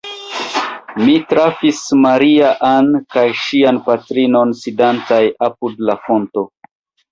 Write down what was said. Mi trafis Maria-Ann kaj ŝian patrinon sidantaj apud la fonto.